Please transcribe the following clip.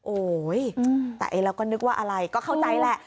โอ้โหแต่เราก็นึกว่าอะไรก็เข้าใจแหละ